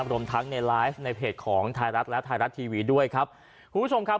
รวมทั้งในไลฟ์ในเพจของไทยรัฐและไทยรัฐทีวีด้วยครับคุณผู้ชมครับ